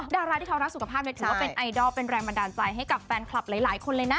ดาราที่เขารักสุขภาพถือว่าเป็นไอดอลเป็นแรงบันดาลใจให้กับแฟนคลับหลายคนเลยนะ